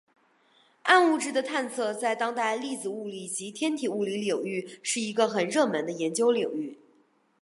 暗物质的探测在当代粒子物理及天体物理领域是一个很热门的研究领域。